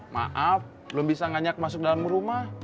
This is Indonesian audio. maaf belum bisa nganyak masuk dalam rumah